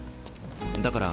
だから。